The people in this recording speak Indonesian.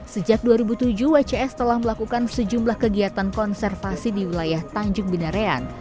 sejak dua ribu tujuh wcs telah melakukan sejumlah kegiatan konservasi di wilayah tanjung binarean